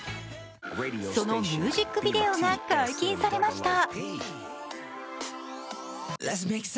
そのミュージックビデオが解禁されました。